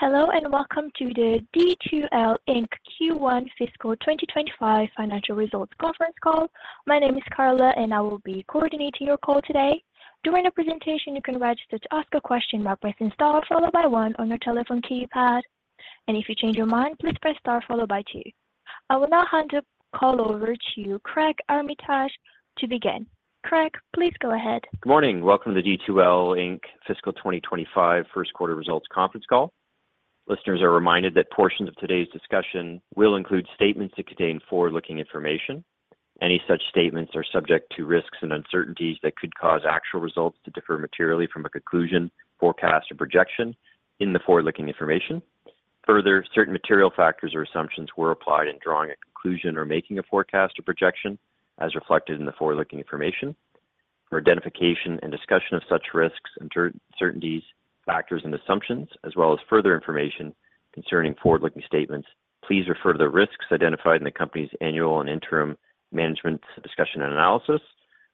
Hello, and welcome to the D2L Inc. Q1 fiscal 2025 financial results conference call. My name is Carla, and I will be coordinating your call today. During the presentation, you can register to ask a question by pressing star followed by one on your telephone keypad, and if you change your mind, please press star followed by two. I will now hand the call over to Craig Armitage to begin. Craig, please go ahead. Good morning. Welcome to the D2L Inc. fiscal 2025 first quarter results conference call. Listeners are reminded that portions of today's discussion will include statements that contain forward-looking information. Any such statements are subject to risks and uncertainties that could cause actual results to differ materially from a conclusion, forecast, or projection in the forward-looking information. Further, certain material factors or assumptions were applied in drawing a conclusion or making a forecast or projection as reflected in the forward-looking information. For identification and discussion of such risks, uncertainties, factors, and assumptions, as well as further information concerning forward-looking statements, please refer to the risks identified in the company's annual and interim management's discussion and analysis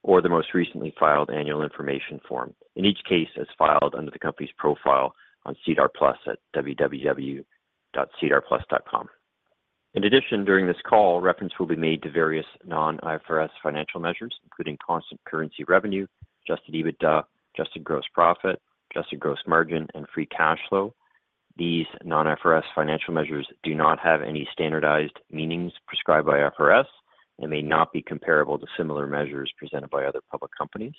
or the most recently filed annual information form, in each case as filed under the company's profile on SEDAR+ at www.sedarplus.com. In addition, during this call, reference will be made to various non-IFRS financial measures, including constant currency revenue, adjusted EBITDA, adjusted gross profit, adjusted gross margin, and free cash flow. These non-IFRS financial measures do not have any standardized meanings prescribed by IFRS and may not be comparable to similar measures presented by other public companies.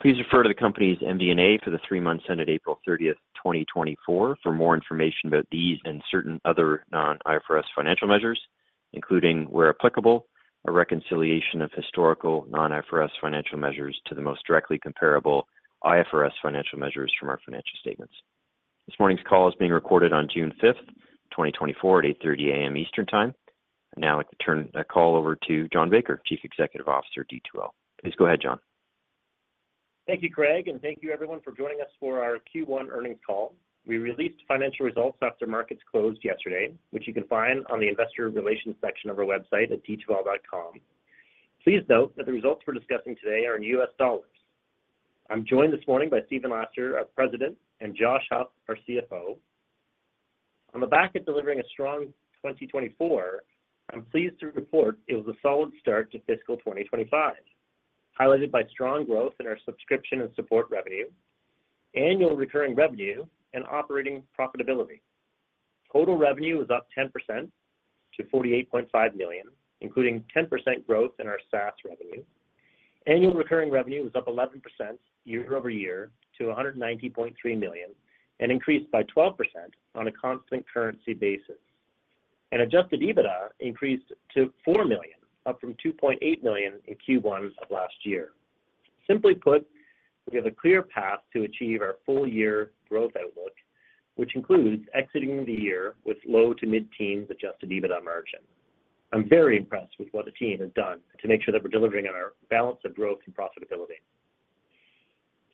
Please refer to the company's MD&A for the three months ended April 30, 2024, for more information about these and certain other non-IFRS financial measures, including, where applicable, a reconciliation of historical non-IFRS financial measures to the most directly comparable IFRS financial measures from our financial statements. This morning's call is being recorded on June 5, 2024, at 8:30 A.M. Eastern Time. I now like to turn the call over to John Baker, Chief Executive Officer, D2L. Please go ahead, John. Thank you, Craig, and thank you everyone for joining us for our Q1 earnings call. We released financial results after markets closed yesterday, which you can find on the investor relations section of our website at d2l.com. Please note that the results we're discussing today are in U.S. dollars. I'm joined this morning by Stephen Laster, our President, and Josh Huff, our CFO. On the back of delivering a strong 2024, I'm pleased to report it was a solid start to fiscal 2025, highlighted by strong growth in our subscription and support revenue, annual recurring revenue, and operating profitability. Total revenue was up 10% to $48.5 million, including 10% growth in our SaaS revenue. Annual recurring revenue was up 11% year-over-year to $190.3 million, and increased by 12% on a constant currency basis. Adjusted EBITDA increased to $4 million, up from $2.8 million in Q1 of last year. Simply put, we have a clear path to achieve our full year growth outlook, which includes exiting the year with low- to mid-teens adjusted EBITDA margin. I'm very impressed with what the team has done to make sure that we're delivering on our balance of growth and profitability.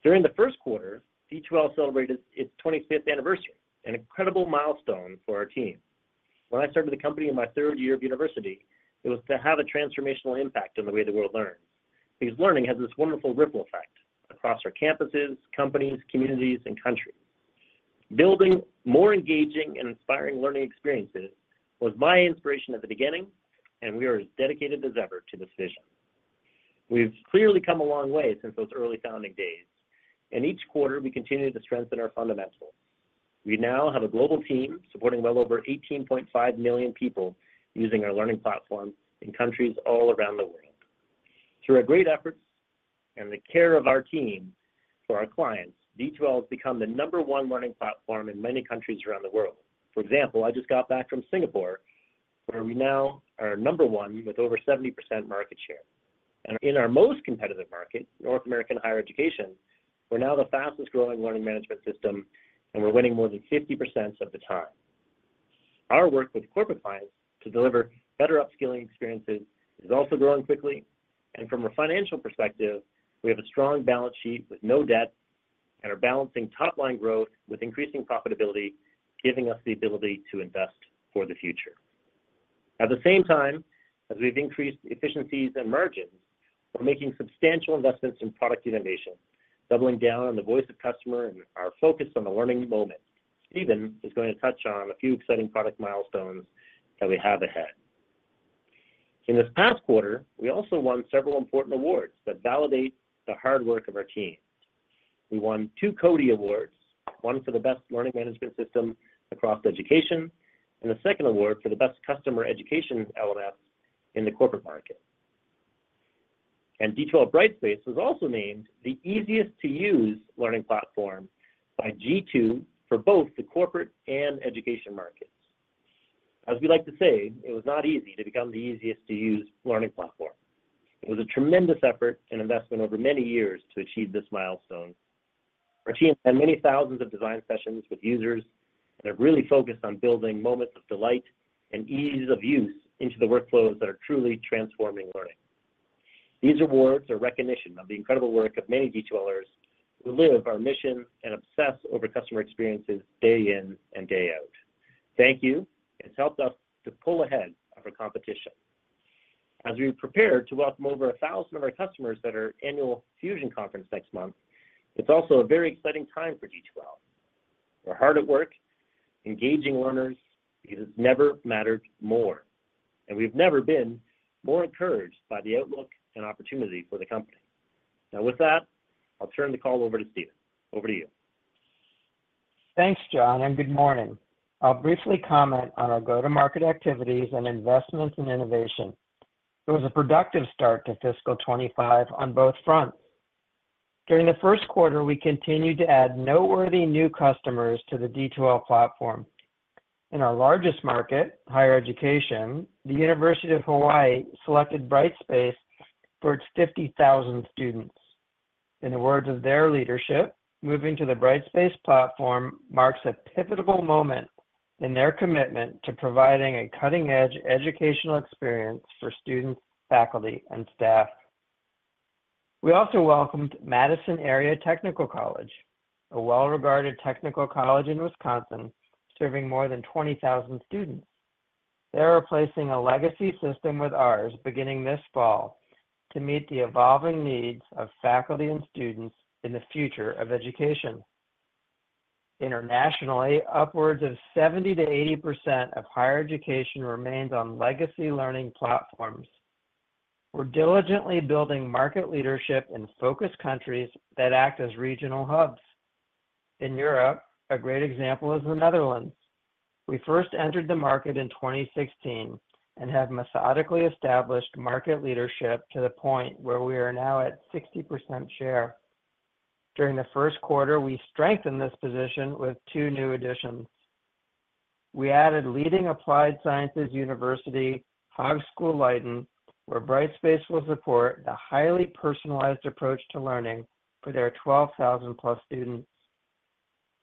During the first quarter, D2L celebrated its 25th anniversary, an incredible milestone for our team. When I started the company in my third year of university, it was to have a transformational impact on the way the world learns, because learning has this wonderful ripple effect across our campuses, companies, communities, and countries. Building more engaging and inspiring learning experiences was my inspiration at the beginning, and we are as dedicated as ever to this vision. We've clearly come a long way since those early founding days, and each quarter, we continue to strengthen our fundamentals. We now have a global team supporting well over 18.5 million people using our learning platform in countries all around the world. Through our great efforts and the care of our team for our clients, D2L has become the number one learning platform in many countries around the world. For example, I just got back from Singapore, where we now are number one with over 70% market share. And in our most competitive market, North American higher education, we're now the fastest growing learning management system, and we're winning more than 50% of the time. Our work with corporate clients to deliver better upskilling experiences is also growing quickly, and from a financial perspective, we have a strong balance sheet with no debt and are balancing top-line growth with increasing profitability, giving us the ability to invest for the future. At the same time, as we've increased efficiencies and margins, we're making substantial investments in product innovation, doubling down on the voice of customer and our focus on the learning moment. Stephen is going to touch on a few exciting product milestones that we have ahead. In this past quarter, we also won several important awards that validate the hard work of our team. We won two CODiE Awards, one for the best learning management system across education, and the second award for the best customer education LMS in the corporate market. D2L Brightspace was also named the easiest to use learning platform by G2 for both the corporate and education markets. As we like to say, it was not easy to become the easiest to use learning platform. It was a tremendous effort and investment over many years to achieve this milestone. Our team had many thousands of design sessions with users and have really focused on building moments of delight and ease of use into the workflows that are truly transforming learning. These awards are recognition of the incredible work of many D2Lers who live our mission and obsess over customer experiences day in and day out. Thank you. It's helped us to pull ahead of our competition. As we prepare to welcome over 1,000 of our customers at our annual Fusion conference next month, it's also a very exciting time for D2L. We're hard at work engaging learners because it's never mattered more, and we've never been more encouraged by the outlook and opportunity for the company. Now, with that, I'll turn the call over to Stephen. Over to you. Thanks, John, and good morning. I'll briefly comment on our go-to-market activities and investments in innovation. It was a productive start to fiscal 2025 on both fronts. During the first quarter, we continued to add noteworthy new customers to the D2L platform. In our largest market, higher education, the University of Hawaii selected Brightspace for its 50,000 students. In the words of their leadership, moving to the Brightspace platform marks a pivotal moment in their commitment to providing a cutting-edge educational experience for students, faculty, and staff. We also welcomed Madison Area Technical College, a well-regarded technical college in Wisconsin, serving more than 20,000 students. They're replacing a legacy system with ours, beginning this fall, to meet the evolving needs of faculty and students in the future of education. Internationally, upwards of 70%-80% of higher education remains on legacy learning platforms. We're diligently building market leadership in focus countries that act as regional hubs. In Europe, a great example is the Netherlands. We first entered the market in 2016 and have methodically established market leadership to the point where we are now at 60% share. During the first quarter, we strengthened this position with two new additions. We added leading applied sciences university, Hogeschool Leiden, where Brightspace will support the highly personalized approach to learning for their 12,000+ students.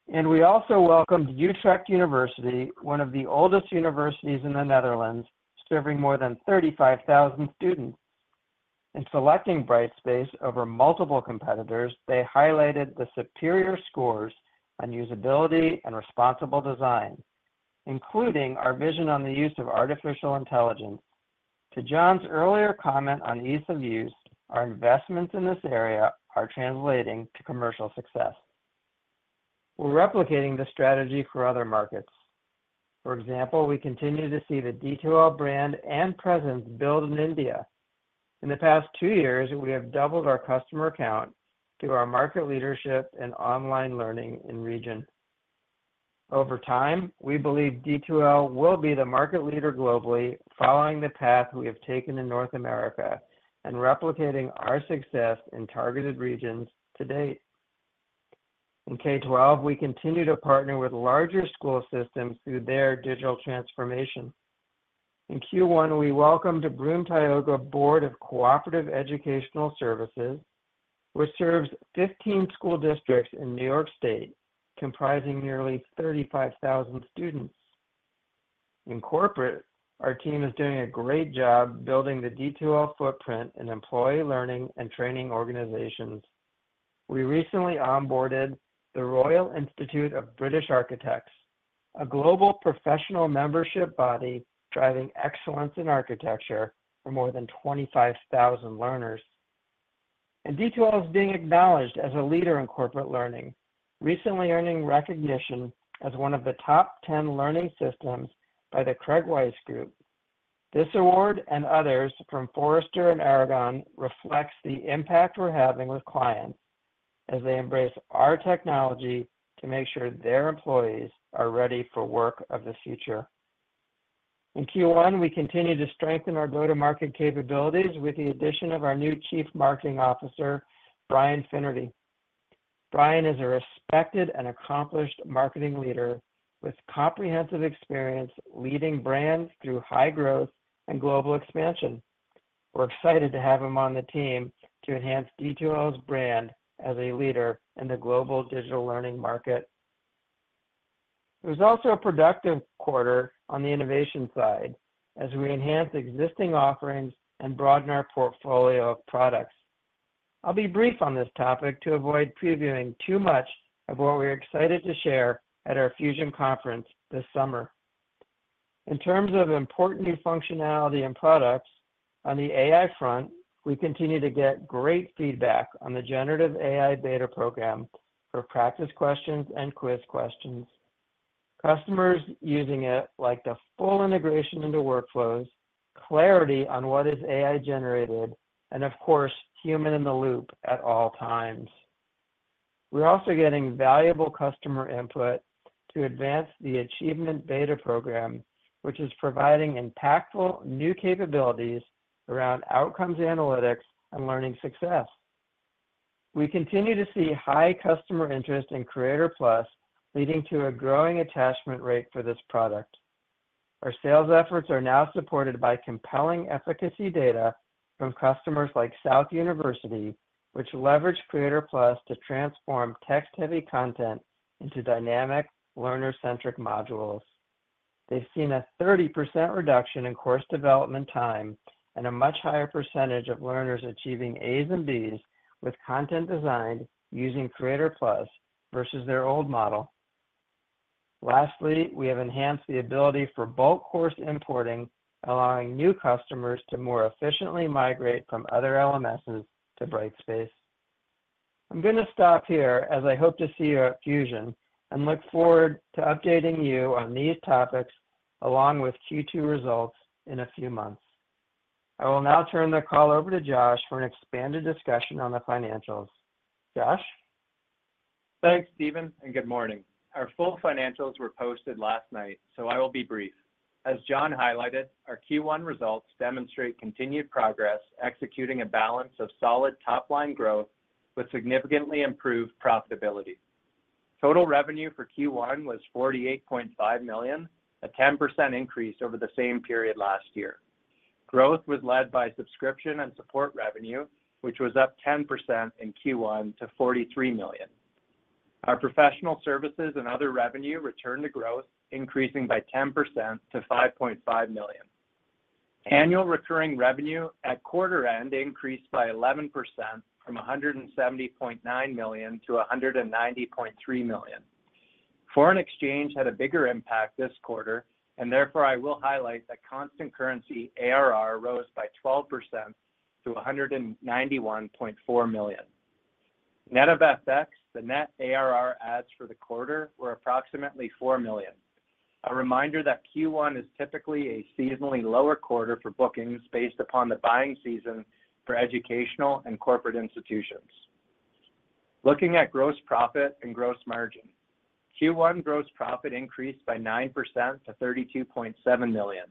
We also welcomed Utrecht University, one of the oldest universities in the Netherlands, serving more than 35,000 students. In selecting Brightspace over multiple competitors, they highlighted the superior scores on usability and responsible design, including our vision on the use of artificial intelligence. To John's earlier comment on ease of use, our investments in this area are translating to commercial success. We're replicating the strategy for other markets. For example, we continue to see the D2L brand and presence build in India. In the past two years, we have doubled our customer count through our market leadership and online learning in region. Over time, we believe D2L will be the market leader globally, following the path we have taken in North America and replicating our success in targeted regions to date. In K-12, we continue to partner with larger school systems through their digital transformation. In Q1, we welcomed the Broome-Tioga Board of Cooperative Educational Services, which serves 15 school districts in New York State, comprising nearly 35,000 students. In corporate, our team is doing a great job building the D2L footprint in employee learning and training organizations. We recently onboarded the Royal Institute of British Architects, a global professional membership body driving excellence in architecture for more than 25,000 learners. D2L is being acknowledged as a leader in corporate learning, recently earning recognition as one of the top 10 learning systems by the Craig Weiss Group. This award, and others from Forrester and Aragon, reflects the impact we're having with clients as they embrace our technology to make sure their employees are ready for work of the future. In Q1, we continued to strengthen our go-to-market capabilities with the addition of our new Chief Marketing Officer, Brian Finnerty. Brian is a respected and accomplished marketing leader with comprehensive experience leading brands through high growth and global expansion. We're excited to have him on the team to enhance D2L's brand as a leader in the global digital learning market. It was also a productive quarter on the innovation side as we enhanced existing offerings and broadened our portfolio of products. I'll be brief on this topic to avoid previewing too much of what we're excited to share at our Fusion conference this summer. In terms of important new functionality and products, on the AI front, we continue to get great feedback on the generative AI beta program for practice questions and quiz questions. Customers using it like the full integration into workflows, clarity on what is AI-generated, and of course, human in the loop at all times. We're also getting valuable customer input to advance the Achievement beta program, which is providing impactful new capabilities around outcomes analytics and learning success. We continue to see high customer interest in Creator+, leading to a growing attachment rate for this product. Our sales efforts are now supported by compelling efficacy data from customers like South University, which leveraged Creator+ to transform text-heavy content into dynamic, learner-centric modules. They've seen a 30% reduction in course development time and a much higher percentage of learners achieving A's and B's with content designed using Creator+ versus their old model. Lastly, we have enhanced the ability for bulk course importing, allowing new customers to more efficiently migrate from other LMSs to Brightspace. I'm going to stop here, as I hope to see you at Fusion, and look forward to updating you on these topics along with Q2 results in a few months. I will now turn the call over to Josh for an expanded discussion on the financials. Josh? Thanks, Stephen, and good morning. Our full financials were posted last night, so I will be brief. As John highlighted, our Q1 results demonstrate continued progress, executing a balance of solid top-line growth with significantly improved profitability. Total revenue for Q1 was $48.5 million, a 10% increase over the same period last year. Growth was led by subscription and support revenue, which was up 10% in Q1 to $43 million. Our professional services and other revenue returned to growth, increasing by 10% to $5.5 million. Annual recurring revenue at quarter end increased by 11% from $170.9 million to $190.3 million. Foreign exchange had a bigger impact this quarter, and therefore, I will highlight that constant currency ARR rose by 12% to $191.4 million. Net of FX, the net ARR adds for the quarter were approximately $4 million. A reminder that Q1 is typically a seasonally lower quarter for bookings based upon the buying season for educational and corporate institutions. Looking at gross profit and gross margin. Q1 gross profit increased by 9% to $32.7 million.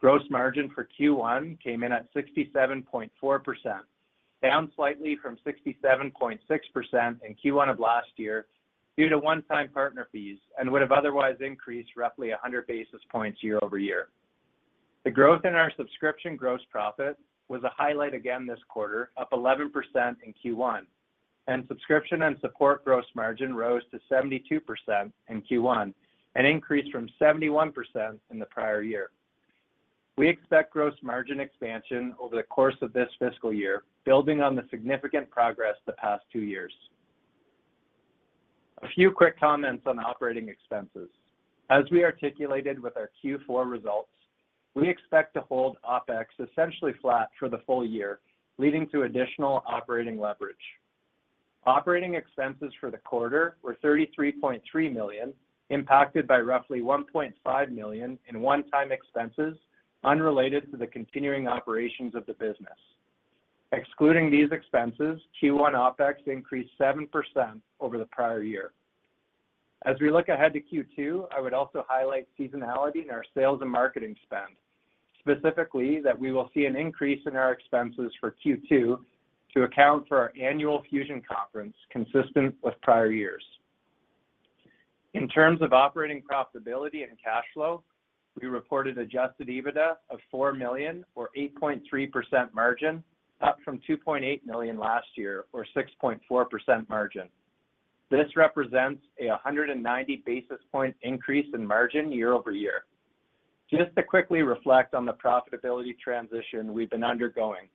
Gross margin for Q1 came in at 67.4%, down slightly from 67.6% in Q1 of last year due to one-time partner fees and would have otherwise increased roughly 100 basis points year-over-year. The growth in our subscription gross profit was a highlight again this quarter, up 11% in Q1, and subscription and support gross margin rose to 72% in Q1, an increase from 71% in the prior year. We expect gross margin expansion over the course of this fiscal year, building on the significant progress the past two years. A few quick comments on operating expenses. As we articulated with our Q4 results, we expect to hold OpEx essentially flat for the full year, leading to additional operating leverage. Operating expenses for the quarter were $33.3 million, impacted by roughly $1.5 million in one-time expenses unrelated to the continuing operations of the business. Excluding these expenses, Q1 OpEx increased 7% over the prior year. As we look ahead to Q2, I would also highlight seasonality in our sales and marketing spend, specifically, that we will see an increase in our expenses for Q2 to account for our annual Fusion conference, consistent with prior years. In terms of operating profitability and cash flow, we reported adjusted EBITDA of $4 million or 8.3% margin, up from $2.8 million last year, or 6.4% margin. This represents a 190 basis point increase in margin year over year. Just to quickly reflect on the profitability transition we've been undergoing,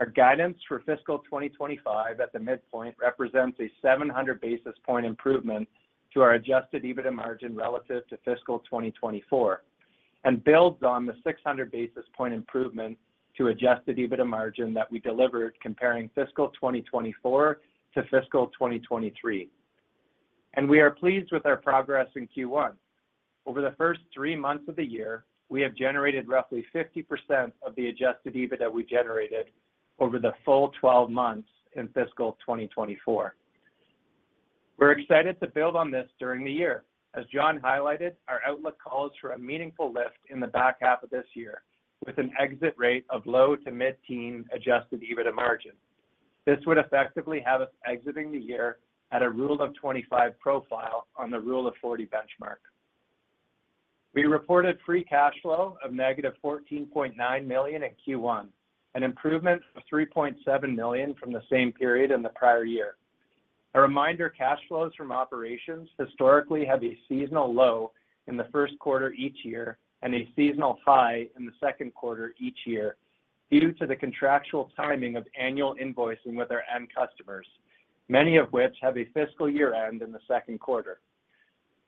our guidance for fiscal 2025 at the midpoint represents a 700 basis point improvement to our adjusted EBITDA margin relative to fiscal 2024, and builds on the 600 basis point improvement to adjusted EBITDA margin that we delivered comparing fiscal 2024 to fiscal 2023. We are pleased with our progress in Q1. Over the first three months of the year, we have generated roughly 50% of the adjusted EBITDA we generated over the full 12 months in fiscal 2024. We're excited to build on this during the year. As John highlighted, our outlook calls for a meaningful lift in the back half of this year, with an exit rate of low- to mid-teen adjusted EBITDA margin. This would effectively have us exiting the year at a Rule of 25 profile on the Rule of 40 benchmark. We reported free cash flow of -$14.9 million in Q1, an improvement of $3.7 million from the same period in the prior year. A reminder, cash flows from operations historically have a seasonal low in the first quarter each year and a seasonal high in the second quarter each year due to the contractual timing of annual invoicing with our end customers, many of which have a fiscal year-end in the second quarter.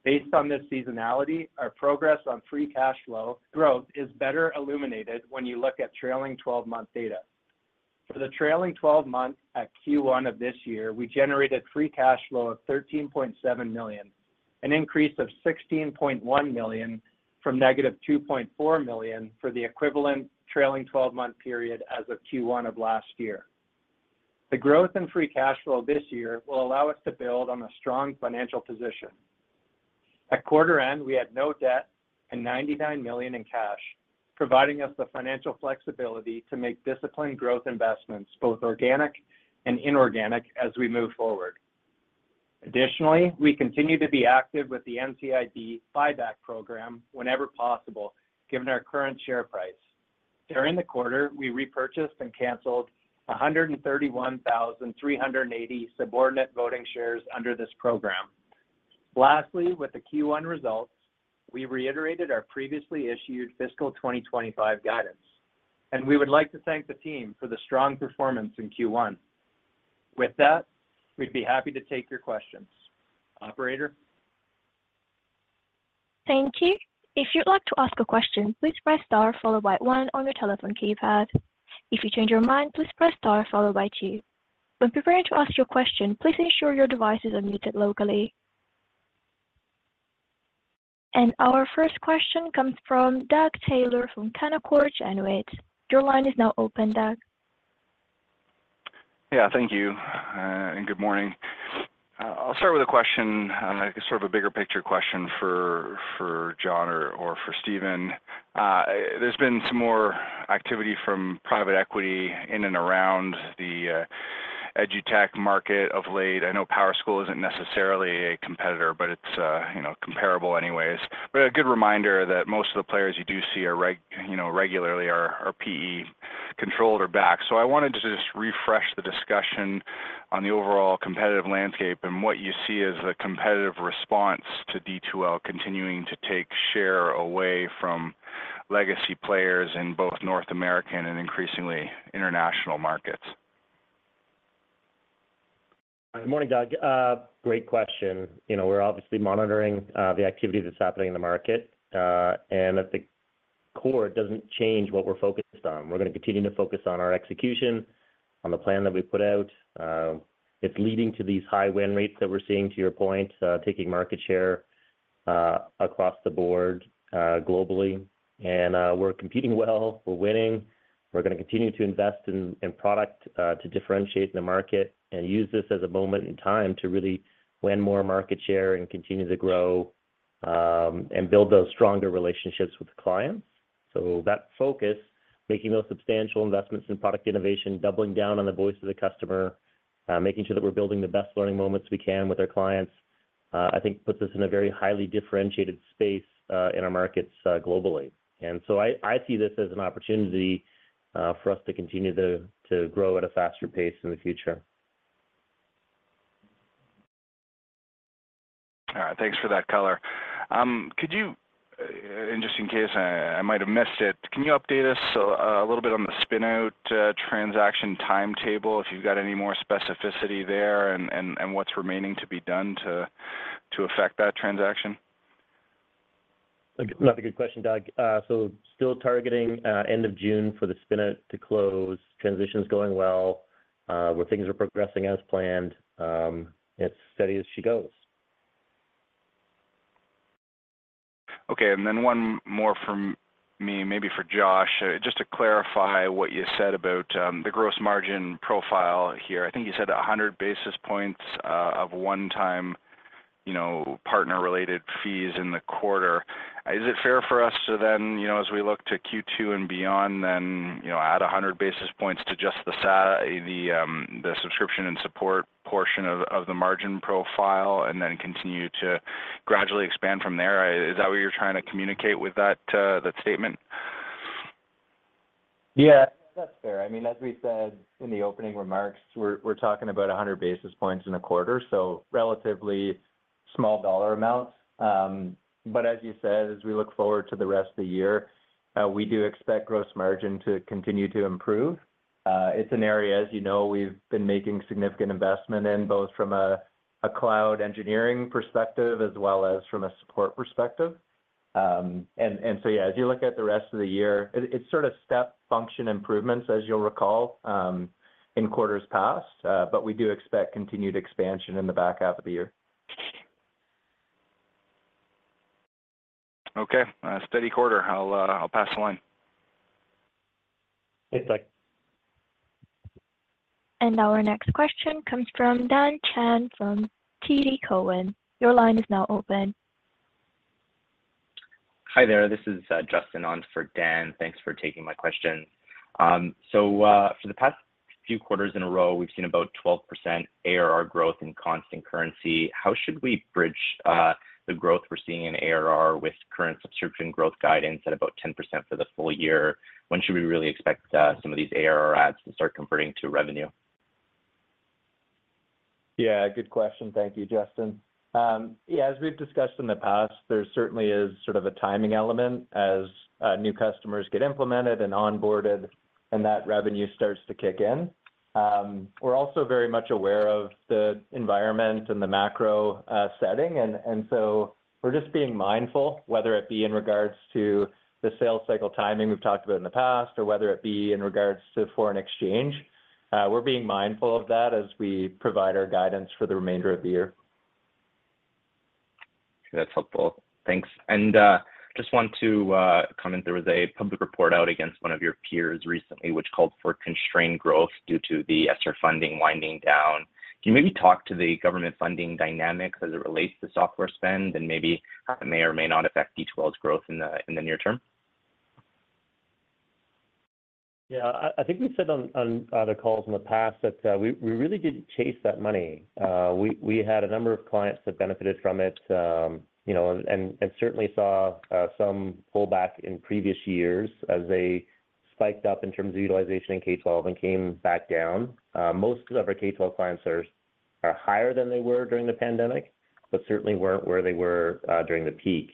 Based on this seasonality, our progress on free cash flow growth is better illuminated when you look at trailing twelve-month data. For the trailing 12 months at Q1 of this year, we generated free cash flow of $13.7 million, an increase of $16.1 million from -$2.4 million for the equivalent trailing 12-month period as of Q1 of last year. The growth in free cash flow this year will allow us to build on a strong financial position. At quarter end, we had no debt and $99 million in cash, providing us the financial flexibility to make disciplined growth investments, both organic and inorganic, as we move forward. Additionally, we continue to be active with the NCIB buyback program whenever possible, given our current share price. During the quarter, we repurchased and canceled 131,380 subordinate voting shares under this program. Lastly, with the Q1 results, we reiterated our previously issued fiscal 2025 guidance, and we would like to thank the team for the strong performance in Q1. With that, we'd be happy to take your questions. Operator? Thank you. If you'd like to ask a question, please press star followed by one on your telephone keypad. If you change your mind, please press star followed by two. When preparing to ask your question, please ensure your device is unmuted locally. And our first question comes from Doug Taylor from Canaccord Genuity. Your line is now open, Doug. Yeah, thank you, and good morning. I'll start with a question, like sort of a bigger picture question for, for John or, or for Stephen. There's been some more activity from private equity in and around the, edtech market of late. I know PowerSchool isn't necessarily a competitor, but it's, you know, comparable anyways. But a good reminder that most of the players you do see are reg-- you know, regularly are, are PE-controlled or backed. So I wanted to just refresh the discussion on the overall competitive landscape and what you see as the competitive response to D2L continuing to take share away from legacy players in both North American and increasingly international markets. Good morning, Doug. Great question. You know, we're obviously monitoring the activity that's happening in the market, and at the core, it doesn't change what we're focused on. We're gonna continue to focus on our execution, on the plan that we put out. It's leading to these high win rates that we're seeing, to your point, taking market share across the board globally. And we're competing well, we're winning. We're gonna continue to invest in product to differentiate in the market and use this as a moment in time to really win more market share and continue to grow, and build those stronger relationships with the clients. So that focus, making those substantial investments in product innovation, doubling down on the voice of the customer, making sure that we're building the best learning moments we can with our clients, I think puts us in a very highly differentiated space, in our markets, globally. And so I see this as an opportunity, for us to continue to grow at a faster pace in the future. All right. Thanks for that color. Could you, and just in case I might have missed it, can you update us a little bit on the spin-out transaction timetable, if you've got any more specificity there, and what's remaining to be done to effect that transaction? Another good question, Doug. So still targeting end of June for the spin-out to close. Transition's going well, where things are progressing as planned. It's steady as she goes. Okay, and then one more from me, maybe for Josh. Just to clarify what you said about the gross margin profile here. I think you said 100 basis points of one-time, you know, partner-related fees in the quarter. Is it fair for us to then, you know, as we look to Q2 and beyond, then, you know, add 100 basis points to just the subscription and support portion of the margin profile and then continue to gradually expand from there? Is that what you're trying to communicate with that statement? Yeah, that's fair. I mean, as we said in the opening remarks, we're talking about 100 basis points in a quarter, so relatively small dollar amounts. But as you said, as we look forward to the rest of the year, we do expect gross margin to continue to improve. It's an area, as you know, we've been making significant investment in, both from a cloud engineering perspective as well as from a support perspective. And so, yeah, as you look at the rest of the year, it's sort of step function improvements, as you'll recall, in quarters past, but we do expect continued expansion in the back half of the year. Okay, steady quarter. I'll, I'll pass the line. Thanks, Doug. And now our next question comes from Dan Chan from TD Cowen. Your line is now open. Hi there, this is Justin on for Dan. Thanks for taking my question. So, for the past few quarters in a row, we've seen about 12% ARR growth in constant currency. How should we bridge the growth we're seeing in ARR with current subscription growth guidance at about 10% for the full year? When should we really expect some of these ARR adds to start converting to revenue? Yeah, good question. Thank you, Justin. Yeah, as we've discussed in the past, there certainly is sort of a timing element as new customers get implemented and onboarded, and that revenue starts to kick in. We're also very much aware of the environment and the macro setting, and so we're just being mindful, whether it be in regards to the sales cycle timing we've talked about in the past, or whether it be in regards to foreign exchange. We're being mindful of that as we provide our guidance for the remainder of the year. That's helpful. Thanks. And just want to comment. There was a public report out against one of your peers recently, which called for constrained growth due to the ESSER funding winding down. Can you maybe talk to the government funding dynamic as it relates to software spend, and maybe how it may or may not affect D2L's growth in the near term? Yeah, I think we said on other calls in the past that we really didn't chase that money. We had a number of clients that benefited from it, you know, and certainly saw some pullback in previous years as they spiked up in terms of utilization in K-12 and came back down. Most of our K-12 clients are higher than they were during the pandemic, but certainly weren't where they were during the peak.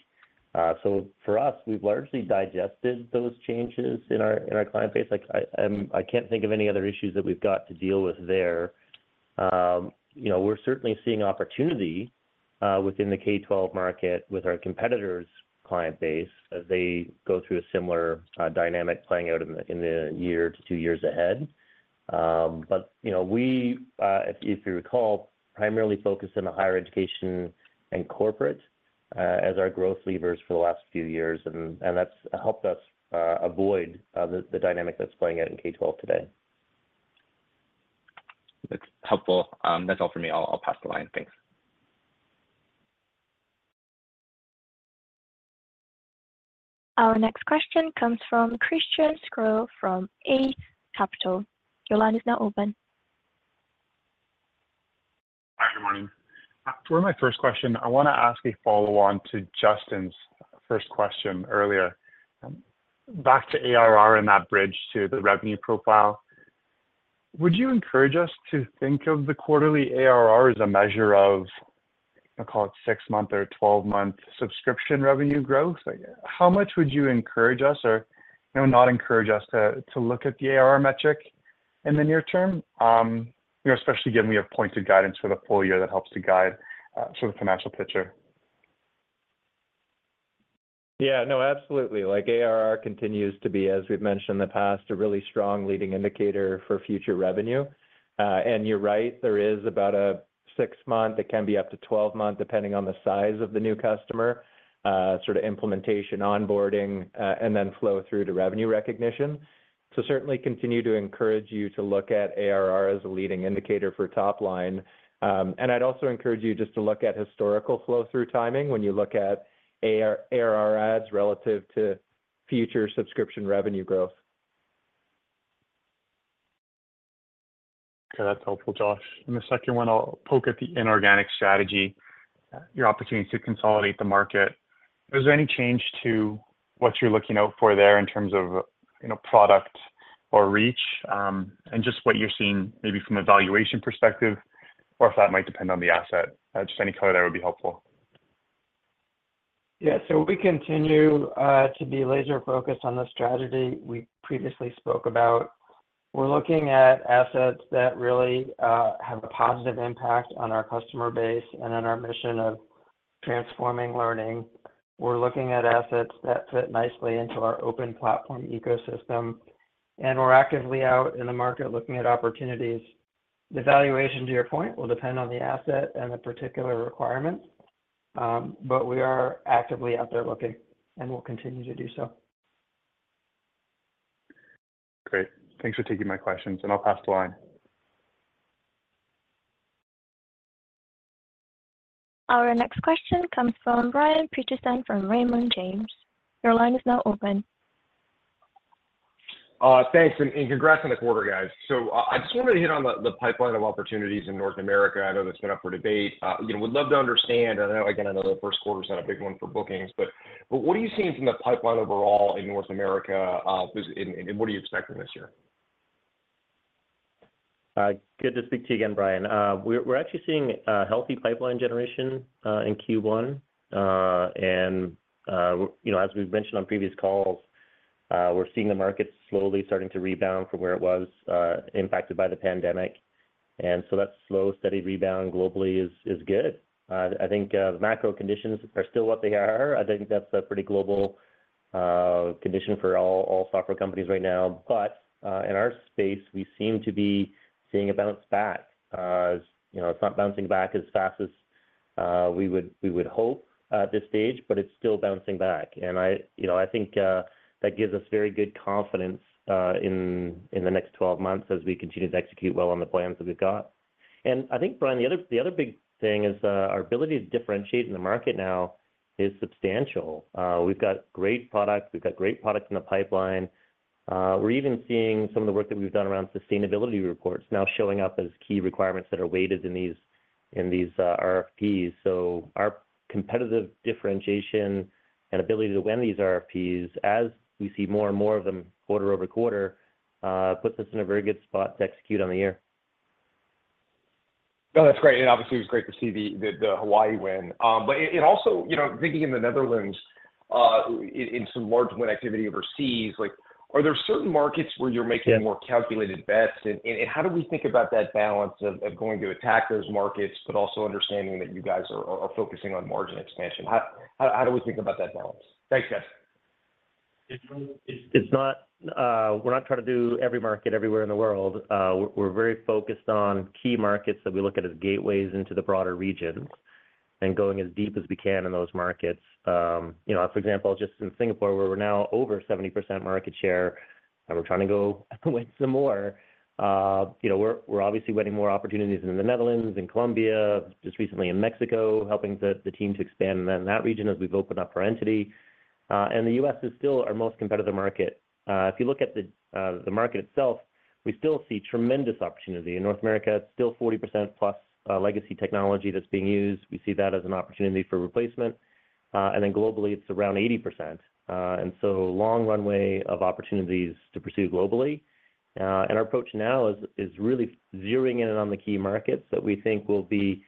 So for us, we've largely digested those changes in our client base. Like, I can't think of any other issues that we've got to deal with there. You know, we're certainly seeing opportunity within the K-12 market with our competitors' client base as they go through a similar dynamic playing out in the one to two years ahead. But, you know, we if you recall primarily focused on the higher education and corporate as our growth levers for the last few years, and that's helped us avoid the dynamic that's playing out in K-12 today. That's helpful. That's all for me. I'll, I'll pass the line. Thanks. Our next question comes from Christian Sgro from Eight Capital. Your line is now open. Hi, good morning. For my first question, I want to ask a follow-on to Justin's first question earlier. Back to ARR and that bridge to the revenue profile, would you encourage us to think of the quarterly ARR as a measure of, I'll call it, 6-month or 12-month subscription revenue growth? Like, how much would you encourage us or, you know, not encourage us to, to look at the ARR metric in the near term? You know, especially given we have pointed guidance for the full year that helps to guide, sort of the financial picture. Yeah, no, absolutely. Like, ARR continues to be, as we've mentioned in the past, a really strong leading indicator for future revenue. And you're right, there is about a 6-month, it can be up to 12-month, depending on the size of the new customer, sort of implementation, onboarding, and then flow through to revenue recognition. So certainly continue to encourage you to look at ARR as a leading indicator for top line. And I'd also encourage you just to look at historical flow-through timing when you look at ARR adds relative to future subscription revenue growth. Okay, that's helpful, Josh. In the second one, I'll poke at the inorganic strategy, your opportunity to consolidate the market. Is there any change to what you're looking out for there in terms of, you know, product or reach? And just what you're seeing maybe from a valuation perspective, or if that might depend on the asset. Just any color there would be helpful. Yeah, so we continue to be laser-focused on the strategy we previously spoke about. We're looking at assets that really have a positive impact on our customer base and on our mission of transforming learning. We're looking at assets that fit nicely into our open platform ecosystem, and we're actively out in the market looking at opportunities. The valuation, to your point, will depend on the asset and the particular requirements, but we are actively out there looking, and we'll continue to do so. Great. Thanks for taking my questions, and I'll pass the line. Our next question comes from Brian Peterson from Raymond James. Your line is now open. Thanks, and congrats on the quarter, guys. So, I just wanted to hit on the pipeline of opportunities in North America. I know that's been up for debate. You know, would love to understand, I know, again, I know the first quarter is not a big one for bookings, but what are you seeing from the pipeline overall in North America, and what are you expecting this year? Good to speak to you again, Brian. We're actually seeing a healthy pipeline generation in Q1. And you know, as we've mentioned on previous calls, we're seeing the market slowly starting to rebound from where it was impacted by the pandemic. And so that slow, steady rebound globally is good. I think the macro conditions are still what they are. I think that's a pretty global condition for all software companies right now. But in our space, we seem to be seeing a bounce back. You know, it's not bouncing back as fast as we would hope at this stage, but it's still bouncing back. And I, you know, I think that gives us very good confidence in the next 12 months as we continue to execute well on the plans that we've got. And I think, Brian, the other big thing is our ability to differentiate in the market now is substantial. We've got great products; we've got great products in the pipeline. We're even seeing some of the work that we've done around sustainability reports now showing up as key requirements that are weighted in these RFPs. So our competitive differentiation and ability to win these RFPs, as we see more and more of them quarter over quarter, puts us in a very good spot to execute on the year. No, that's great, and obviously, it was great to see the Hawaii win. But it also, you know, thinking in the Netherlands, in some large win activity overseas, like, are there certain markets where you're making- Yeah. More calculated bets? And how do we think about that balance of going to attack those markets, but also understanding that you guys are focusing on margin expansion? How do we think about that balance? Thanks, guys. It's not, we're not trying to do every market everywhere in the world. We're very focused on key markets that we look at as gateways into the broader region and going as deep as we can in those markets. You know, for example, just in Singapore, where we're now over 70% market share, and we're trying to go win some more. You know, we're obviously winning more opportunities in the Netherlands, in Colombia, just recently in Mexico, helping the team to expand in that region as we've opened up our entity. And the U.S. is still our most competitive market. If you look at the market itself, we still see tremendous opportunity. In North America, it's still 40%+ legacy technology that's being used. We see that as an opportunity for replacement. And then globally, it's around 80%. And so long runway of opportunities to pursue globally. And our approach now is really zeroing in on the key markets that we think will be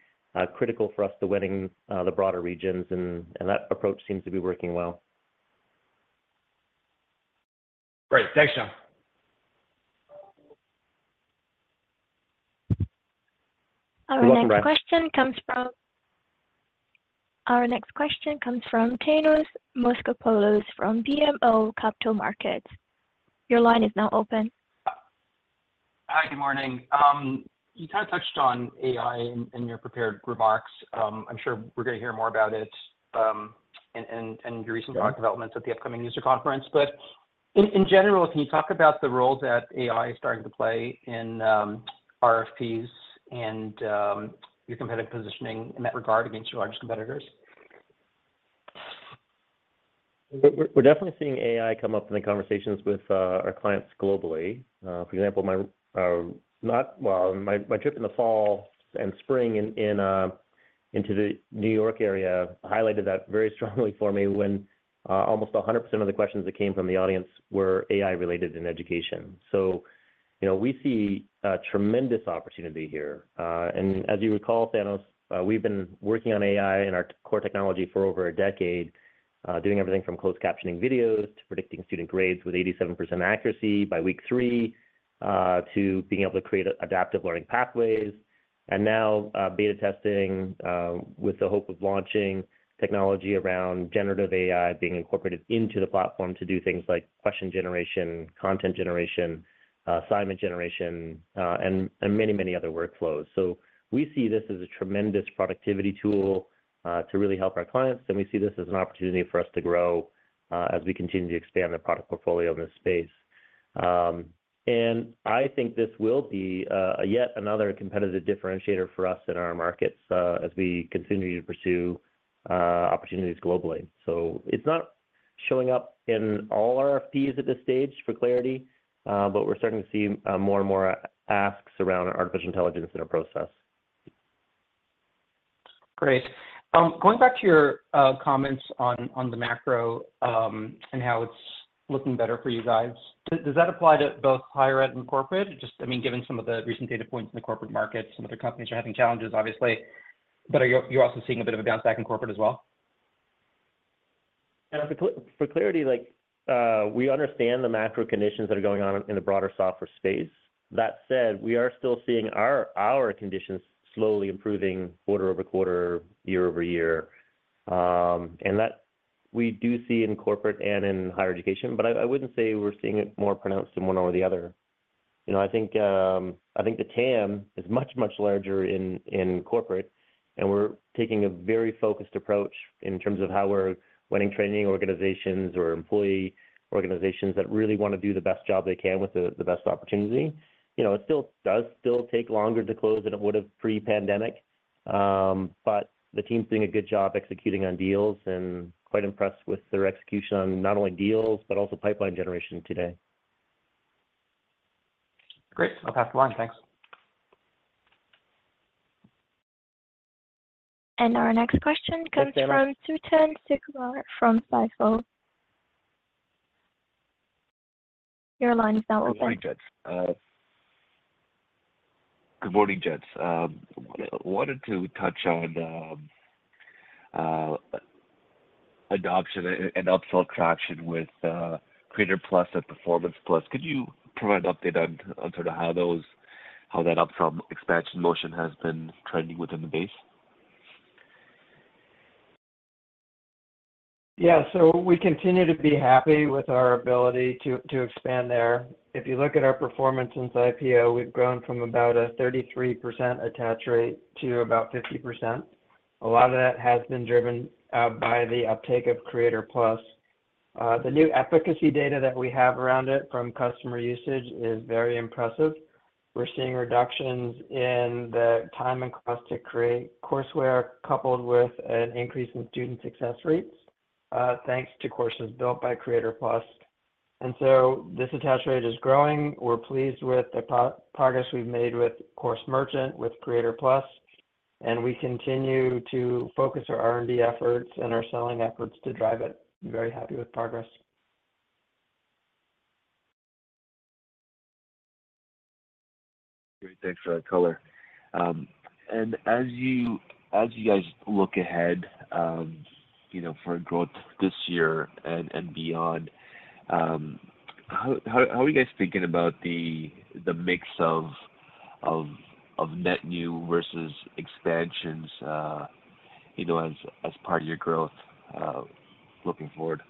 critical for us to winning the broader regions, and that approach seems to be working well. Great. Thanks, John. Our next question comes from Thanos Moschopoulos from BMO Capital Markets. Your line is now open. Hi, good morning. You kind of touched on AI in your prepared remarks. I'm sure we're gonna hear more about it, and your recent product developments at the upcoming user conference. But in general, can you talk about the role that AI is starting to play in RFPs and your competitive positioning in that regard against your largest competitors? We're definitely seeing AI come up in the conversations with our clients globally. For example, well, my trip in the fall and spring into the New York area highlighted that very strongly for me when almost 100% of the questions that came from the audience were AI related in education. So, you know, we see a tremendous opportunity here. And as you recall Thanos, we've been working on AI and our core technology for over a decade, doing everything from closed captioning videos to predicting student grades with 87% accuracy by week three to being able to create adaptive learning pathways. And now, beta testing with the hope of launching technology around generative AI being incorporated into the platform to do things like question generation, content generation, assignment generation, and many, many other workflows. So we see this as a tremendous productivity tool to really help our clients, and we see this as an opportunity for us to grow as we continue to expand our product portfolio in this space. And I think this will be yet another competitive differentiator for us in our markets as we continue to pursue opportunities globally. So it's not showing up in all RFPs at this stage for clarity, but we're starting to see more and more asks around artificial intelligence in our process. Great. Going back to your comments on the macro, and how it's looking better for you guys. Does that apply to both higher ed and corporate? Just, I mean, given some of the recent data points in the corporate market, some other companies are having challenges, obviously, but are you, you're also seeing a bit of a bounce back in corporate as well? For clarity, like, we understand the macro conditions that are going on in the broader software space. That said, we are still seeing our conditions slowly improving quarter-over-quarter, year-over-year. And that we do see in corporate and in higher education, but I wouldn't say we're seeing it more pronounced in one over the other. You know, I think the TAM is much larger in corporate, and we're taking a very focused approach in terms of how we're winning training organizations or employee organizations that really want to do the best job they can with the best opportunity. You know, it still does take longer to close than it would have pre-pandemic, but the team's doing a good job executing on deals, and quite impressed with their execution on not only deals, but also pipeline generation today. Great. I'll pass the line. Thanks. Our next question- Thanks. Comes from Suthan Sukumar from Stifel. Your line is now open. Good morning, gents. Wanted to touch on adoption and upsell traction with Creator+ and Performance+. Could you provide an update on sort of how that upsell expansion motion has been trending within the base? Yeah, so we continue to be happy with our ability to expand there. If you look at our performance since IPO, we've grown from about a 33% attach rate to about 50%. A lot of that has been driven by the uptake of Creator+. The new efficacy data that we have around it from customer usage is very impressive. We're seeing reductions in the time and cost to create courseware, coupled with an increase in student success rates, thanks to courses built by Creator+. And so this attach rate is growing. We're pleased with the progress we've made with Course Merchant, with Creator+, and we continue to focus our R&D efforts and our selling efforts to drive it. Very happy with progress. Great. Thanks for that color. As you guys look ahead, you know, for growth this year and beyond, how are you guys thinking about the mix of net new versus expansions, you know, as part of your growth looking forward?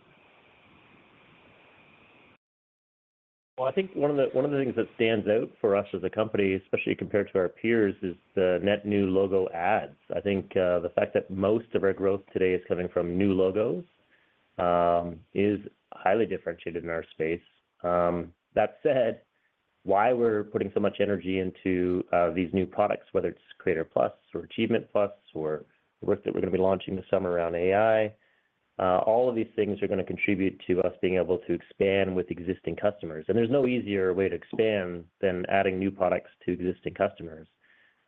Well, I think one of the things that stands out for us as a company, especially compared to our peers, is the net new logo adds. I think the fact that most of our growth today is coming from new logos is highly differentiated in our space. That said, why we're putting so much energy into these new products, whether it's Creator+ or Achievement+, or the work that we're going to be launching this summer around AI, all of these things are going to contribute to us being able to expand with existing customers. And there's no easier way to expand than adding new products to existing customers.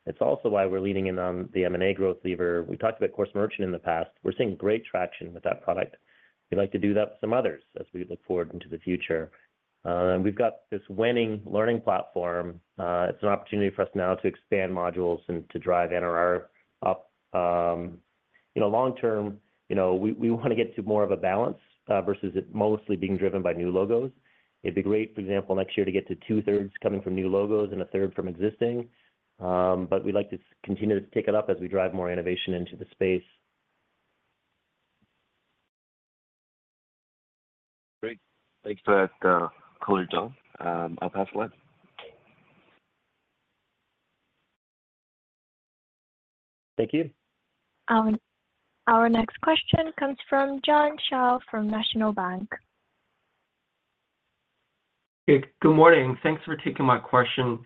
It's also why we're leaning in on the M&A growth lever. We talked about Course Merchant in the past. We're seeing great traction with that product. We'd like to do that with some others as we look forward into the future. We've got this winning learning platform. It's an opportunity for us now to expand modules and to drive NRR up. You know, long term, you know, we, we wanna get to more of a balance versus it mostly being driven by new logos. It'd be great, for example, next year to get to two-thirds coming from new logos and a third from existing. But we'd like to continue to tick it up as we drive more innovation into the space. Great. Thanks for that, color, John. I'll pass the line. Thank you. Our next question comes from John Shao from National Bank. Hey, good morning. Thanks for taking my question.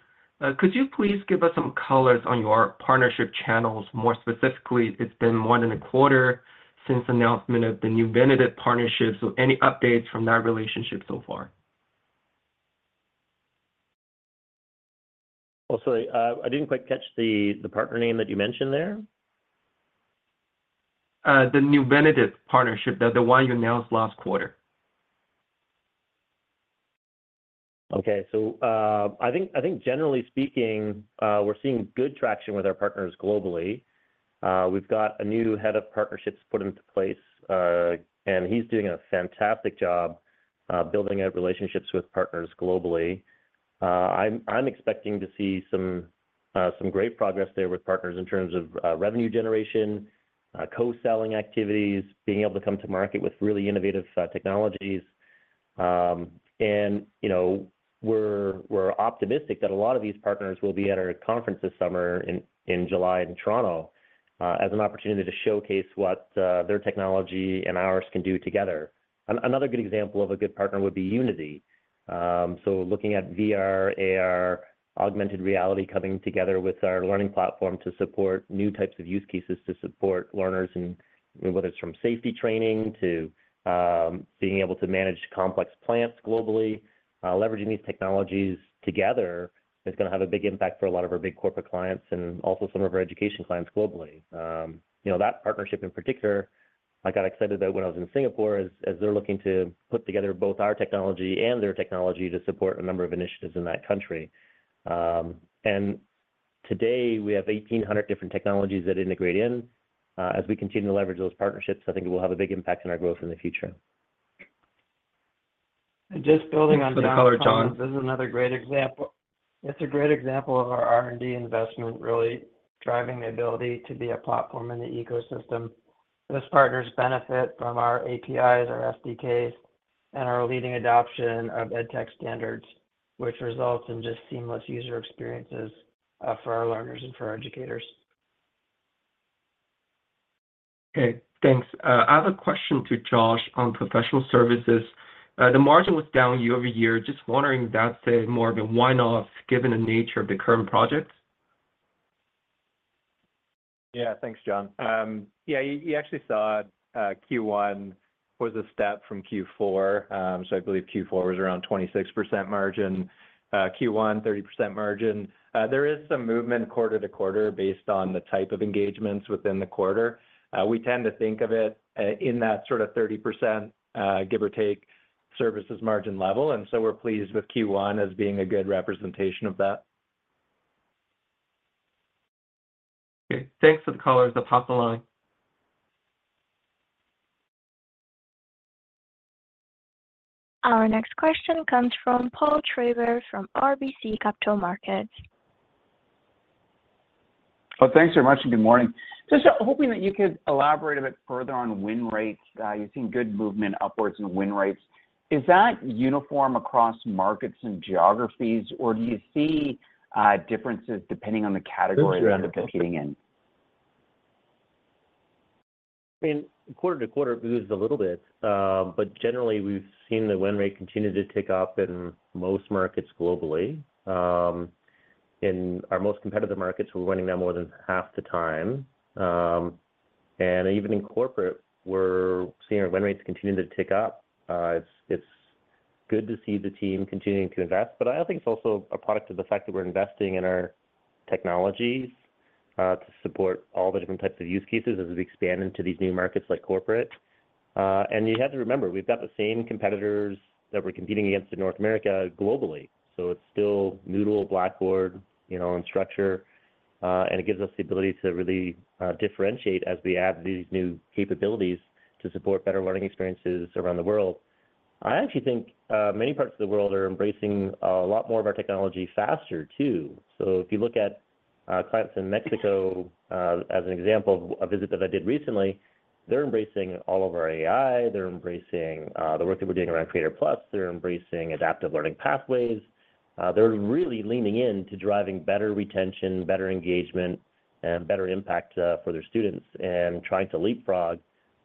Could you please give us some colors on your partnership channels? More specifically, it's been more than a quarter since announcement of the new benefit partnerships. So any updates from that relationship so far? Well, so, I didn't quite catch the partner name that you mentioned there. The new benefit partnership, the one you announced last quarter. Okay. So, I think, I think generally speaking, we're seeing good traction with our partners globally. We've got a new head of partnerships put into place, and he's doing a fantastic job, building out relationships with partners globally. I'm expecting to see some great progress there with partners in terms of revenue generation, co-selling activities, being able to come to market with really innovative technologies. And, you know, we're optimistic that a lot of these partners will be at our conference this summer in July in Toronto, as an opportunity to showcase what their technology and ours can do together. Another good example of a good partner would be Unity. So looking at VR, AR, augmented reality, coming together with our learning platform to support new types of use cases, to support learners in, whether it's from safety training to, being able to manage complex plants globally. Leveraging these technologies together is gonna have a big impact for a lot of our big corporate clients and also some of our education clients globally. You know, that partnership in particular, I got excited about when I was in Singapore, as they're looking to put together both our technology and their technology to support a number of initiatives in that country. And today we have 1,800 different technologies that integrate in. As we continue to leverage those partnerships, I think it will have a big impact on our growth in the future. And just building on John- For the color, John. This is another great example. It's a great example of our R&D investment, really driving the ability to be a platform in the ecosystem. Those partners benefit from our APIs, our SDKs, and our leading adoption of edtech standards, which results in just seamless user experiences for our learners and for our educators. Okay, thanks. I have a question to Josh on professional services. The margin was down year-over-year. Just wondering if that's more of a one-off, given the nature of the current projects? Yeah, thanks, John. Yeah, you actually saw, Q1 was a step from Q4. So I believe Q4 was around 26% margin, Q1, 30% margin. There is some movement quarter to quarter based on the type of engagements within the quarter. We tend to think of it in that sort of 30%, give or take, services margin level, and so we're pleased with Q1 as being a good representation of that. Okay, thanks for the colors. I'll pass the line. Our next question comes from Paul Treiber, from RBC Capital Markets. Well, thanks very much, and good morning. Just hoping that you could elaborate a bit further on win rates. You've seen good movement upwards in win rates. Is that uniform across markets and geographies, or do you see differences depending on the category that you're competing in? I mean, quarter to quarter it moves a little bit. Generally, we've seen the win rate continue to tick up in most markets globally. In our most competitive markets, we're winning now more than half the time. Even in corporate, we're seeing our win rates continuing to tick up. It's, it's good to see the team continuing to invest, but I think it's also a product of the fact that we're investing in our technologies, to support all the different types of use cases as we expand into these new markets like corporate. You have to remember, we've got the same competitors that we're competing against in North America, globally. So it's still Moodle, Blackboard, you know, and Instructure, and it gives us the ability to really differentiate as we add these new capabilities to support better learning experiences around the world. I actually think, many parts of the world are embracing a lot more of our technology faster, too. So if you look at, clients in Mexico, as an example, a visit that I did recently, they're embracing all of our AI. They're embracing, the work that we're doing around Creator+. They're embracing adaptive learning pathways. They're really leaning in to driving better retention, better engagement, and better impact, for their students, and trying to leapfrog,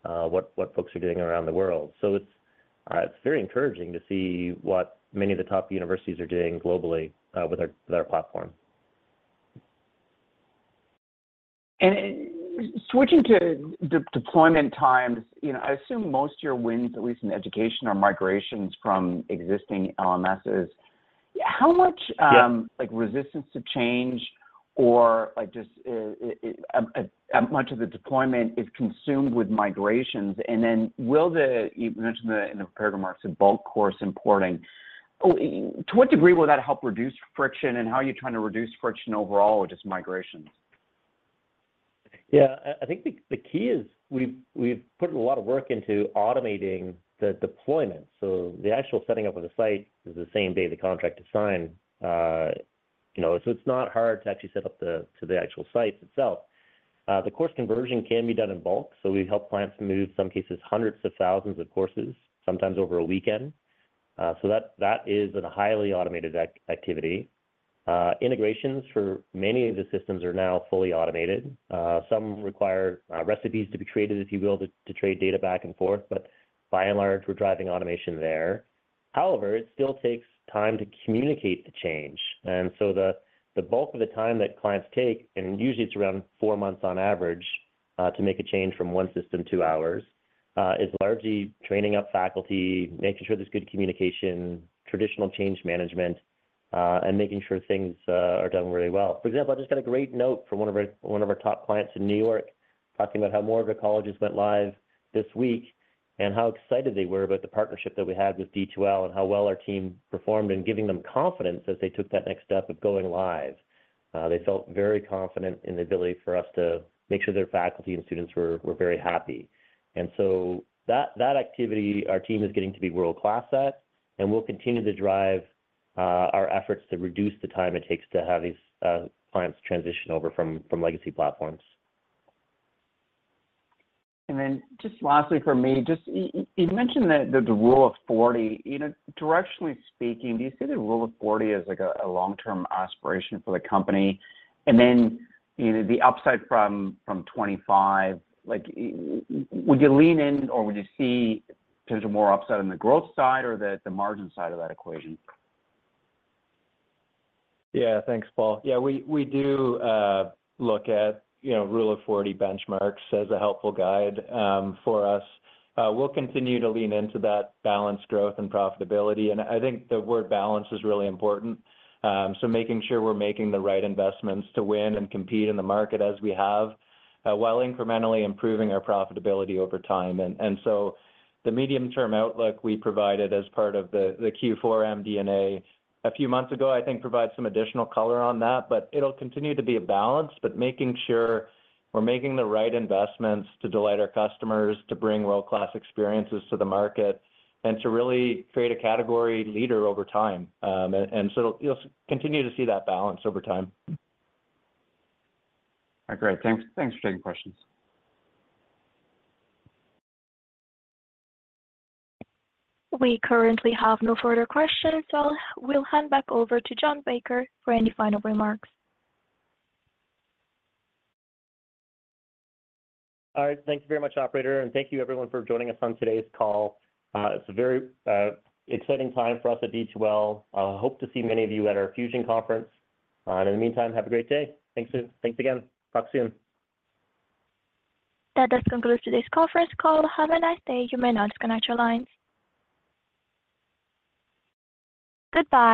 what folks are doing around the world. So it's, it's very encouraging to see what many of the top universities are doing globally, with our platform. Switching to deployment times, you know, I assume most of your wins, at least in education, are migrations from existing LMSs. How much? Yeah. Like, resistance to change or, like, just, much of the deployment is consumed with migrations? And then will the you mentioned the, in the prepared remarks, the bulk course importing. Oh, to what degree will that help reduce friction, and how are you trying to reduce friction overall with just migrations? Yeah, I think the key is we've put a lot of work into automating the deployment. So the actual setting up of the site is the same day the contract is signed. You know, so it's not hard to actually set up the actual site itself. The course conversion can be done in bulk, so we help clients move, in some cases, hundreds of thousands of courses, sometimes over a weekend. So that is a highly automated activity. Integrations for many of the systems are now fully automated. Some require recipes to be created, if you will, to trade data back and forth, but by and large, we're driving automation there. However, it still takes time to communicate the change, and so the bulk of the time that clients take, and usually it's around four months on average, to make a change from one system to ours, is largely training up faculty, making sure there's good communication, traditional change management, and making sure things are done really well. For example, I just got a great note from one of our top clients in New York, talking about how more of their colleges went live this week, and how excited they were about the partnership that we had with D2L, and how well our team performed in giving them confidence as they took that next step of going live. They felt very confident in the ability for us to make sure their faculty and students were very happy. And so that, that activity our team is getting to be world-class at, and we'll continue to drive our efforts to reduce the time it takes to have these clients transition over from legacy platforms. And then, just lastly from me, just you mentioned that, the, the Rule of 40. You know, directionally speaking, do you see the Rule of 40 as, like, a, a long-term aspiration for the company? And then, you know, the upside from, from 25, like, would you lean in, or would you see potential more upside on the growth side or the, the margin side of that equation? Yeah. Thanks, Paul. Yeah, we, we do look at, you know, Rule of 40 benchmarks as a helpful guide for us. We'll continue to lean into that balanced growth and profitability, and I think the word balance is really important. So making sure we're making the right investments to win and compete in the market as we have while incrementally improving our profitability over time. And, and so the medium-term outlook we provided as part of the, the Q4 MD&A a few months ago, I think provides some additional color on that, but it'll continue to be a balance, but making sure we're making the right investments to delight our customers, to bring world-class experiences to the market, and to really create a category leader over time. And, and so you'll, you'll continue to see that balance over time. All right, great. Thanks, thanks for taking questions. We currently have no further questions, so we'll hand back over to John Baker for any final remarks. All right. Thank you very much, operator, and thank you everyone for joining us on today's call. It's a very exciting time for us at D2L. Hope to see many of you at our Fusion conference, and in the meantime, have a great day. Thanks, again. Talk soon. That does conclude today's conference call. Have a nice day. You may now disconnect your lines. Goodbye.